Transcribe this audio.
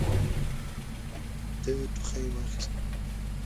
ده ټوخي واخيست.